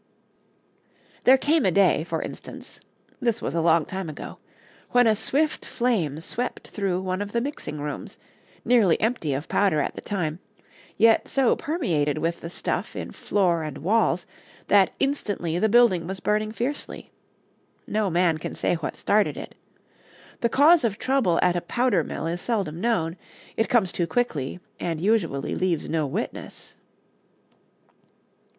There came a day, for instance this was a long time ago when a swift flame swept through one of the mixing rooms, nearly empty of powder at the time, yet so permeated with the stuff in floor and walls that instantly the building was burning fiercely. No man can say what started it. The cause of trouble at a powder mill is seldom known; it comes too quickly, and usually leaves no witness.